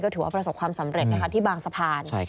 ถือว่าประสบความสำเร็จนะคะที่บางสะพาน